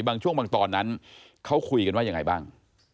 บางช่วงบางตอนนั้นเขาคุยกันว่ายังไงบ้าง